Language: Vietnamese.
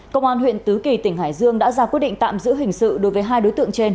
công an huyện tứ kỳ tỉnh hải dương đã ra quyết định tạm giữ hình sự đối với hai đối tượng trên